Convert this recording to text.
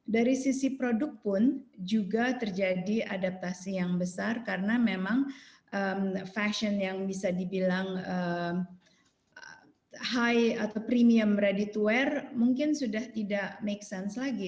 dari sisi produk pun juga terjadi adaptasi yang besar karena memang fashion yang bisa dibilang high atau premium ready to wear mungkin sudah tidak make sense lagi